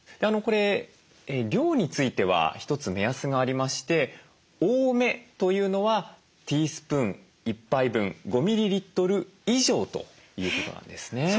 これ量については一つ目安がありまして多めというのはティースプーン１杯分５ミリリットル以上ということなんですね。